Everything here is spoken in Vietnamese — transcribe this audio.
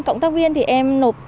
cộng tác viên thì em nộp ba trăm linh